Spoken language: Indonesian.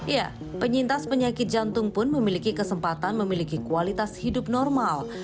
ya penyintas penyakit jantung pun memiliki kesempatan memiliki kualitas hidup normal